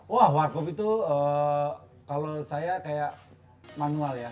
wah warkop itu kalau saya kayak manual ya